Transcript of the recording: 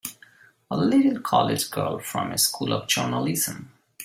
A little college girl from a School of Journalism!